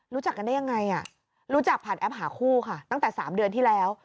รู้จักกันได้ยังไงรู้จักผ่านแอปหาคู่ค่ะตั้งแต่๓เดือนที่แล้ว